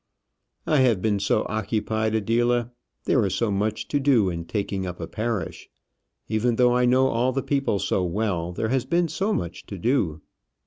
"I have been so occupied, Adela. There is so much to do in taking up a parish. Even though I know all the people so well, there has been so much to do."